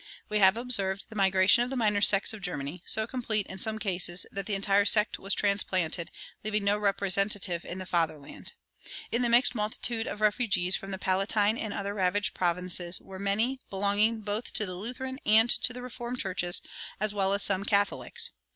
We have observed the migration of the minor sects of Germany so complete, in some cases, that the entire sect was transplanted, leaving no representative in the fatherland. In the mixed multitude of refugees from the Palatinate and other ravaged provinces were many belonging both to the Lutheran and to the Reformed churches, as well as some Catholics.